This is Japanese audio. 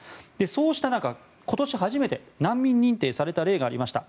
そうした中、今年初めて難民認定された例がありました。